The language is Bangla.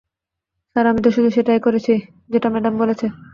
স্যার, আমি তো শুধু সেটাই করছি যেটা ম্যাডাম বলছে।